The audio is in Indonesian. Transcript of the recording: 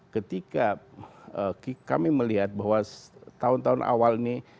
ketika kami melihat bahwa tahun tahun awal ini